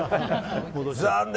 残念。